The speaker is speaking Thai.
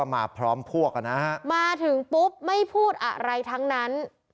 มาพร้อมพวกกันนะฮะมาถึงปุ๊บไม่พูดอะไรทั้งนั้น